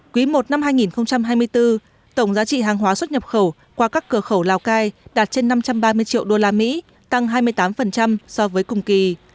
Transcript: quý i năm hai nghìn hai mươi bốn tổng giá trị hàng hóa xuất nhập khẩu qua các cửa khẩu lào cai đạt trên năm trăm ba mươi triệu usd tăng hai mươi tám so với cùng kỳ